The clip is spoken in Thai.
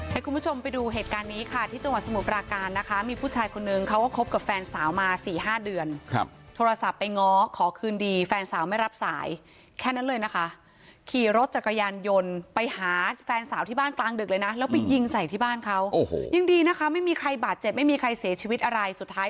ให้คุณผู้ชมไปดูเหตุการณ์นี้ค่ะที่จังหวัดสมุทรปราการนะคะมีผู้ชายคนนึงเขาก็คบกับแฟนสาวมาสี่ห้าเดือนครับโทรศัพท์ไปง้อขอคืนดีแฟนสาวไม่รับสายแค่นั้นเลยนะคะขี่รถจักรยานยนต์ไปหาแฟนสาวที่บ้านกลางดึกเลยนะแล้วไปยิงใส่ที่บ้านเขาโอ้โหยังดีนะคะไม่มีใครบาดเจ็บไม่มีใครเสียชีวิตอะไรสุดท้าย